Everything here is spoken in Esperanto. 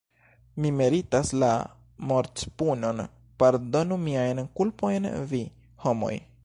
Mi meritas la mortpunon, pardonu miajn kulpojn vi, homoj!